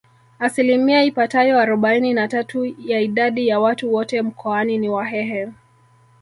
Asilimia ipatayo arobaini na tatu ya idadi ya watu wote Mkoani ni Wahehe